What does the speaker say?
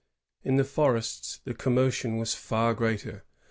In the forests the commotion was far greater.